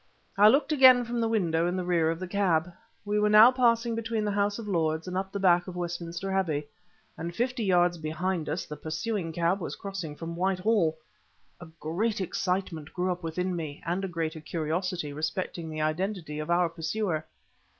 I looked again from the window in the rear of the cab. We were now passing between the House of Lords and the back of Westminster Abbey ... and fifty yards behind us the pursuing cab was crossing from Whitehall! A great excitement grew up within me, and a great curiosity respecting the identity of our pursuer.